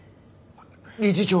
理事長